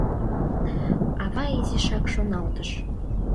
Ава изишак шоналтыш.